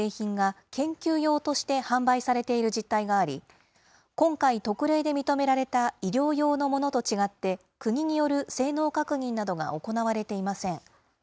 一部の薬局やネット通販では、未承認の製品が研究用として販売されている実態があり、今回特例で認められた医療用のものと違って、国による性能確認などが行われていません。